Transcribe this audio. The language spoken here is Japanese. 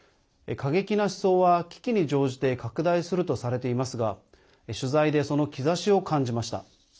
過激な思想は危機に乗じて拡大するとされていますが取材で、その兆しを感じました。